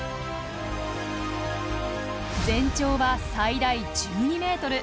全長は最大１２メートル。